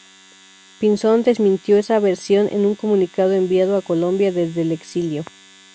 Pinzón desmintió esa versión en un comunicado enviado a Colombia desde el exilio.